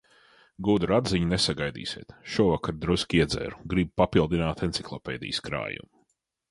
Gudru atziņu nesagaidīsiet, šovakar drusku iedzēru, gribu papildināt enciklopēdijas krājumu.